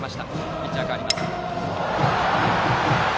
ピッチャー代わります。